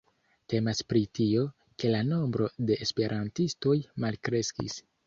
Temas pri tio, ke la nombro de esperantistoj malkreskis.